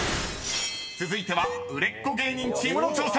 ［続いては売れっ子芸人チームの挑戦］